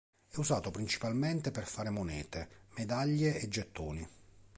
È usato principalmente per fare monete, medaglie e gettoni.